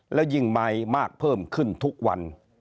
แล้วยิ่งมายมากเพิ่มขึ้นทุกวัน